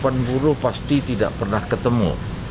harapan buruh pasti tidak pernah ketemu